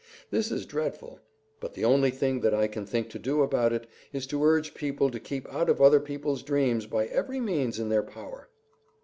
This is dreadful, but the only thing that I can think to do about it is to urge people to keep out of other people's dreams by every means in their power.